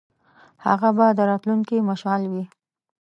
هغه به د راتلونکي مشعل وي.